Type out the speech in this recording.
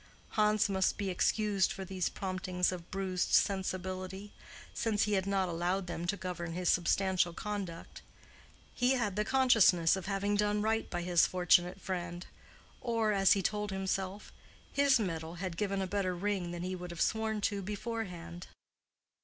Hans must be excused for these promptings of bruised sensibility, since he had not allowed them to govern his substantial conduct: he had the consciousness of having done right by his fortunate friend; or, as he told himself, "his metal had given a better ring than he would have sworn to beforehand."